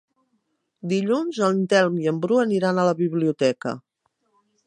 Dilluns en Telm i en Bru aniran a la biblioteca.